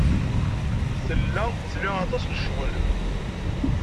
Tella tla aṭas n ccɣel.